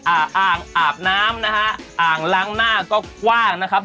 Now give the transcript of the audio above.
อ่าอ่างอาบน้ำนะฮะอ่างล้างหน้าก็กว้างนะครับ